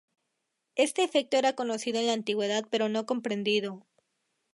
Este efecto era conocido en la antigüedad, pero no comprendido.